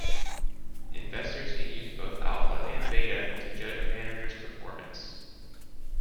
Investors can use both alpha and beta to judge a manager's performance.